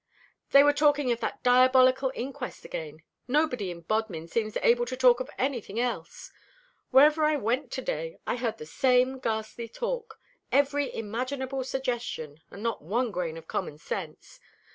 "They were talking of that diabolical inquest again. Nobody in Bodmin seems able to talk of anything else. Wherever I went to day I heard the same ghastly talk every imaginable suggestion, and not one grain of common sense.